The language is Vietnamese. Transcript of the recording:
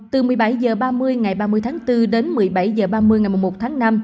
từ một mươi bảy h ba mươi ngày ba mươi tháng bốn đến một mươi bảy h ba mươi ngày một tháng năm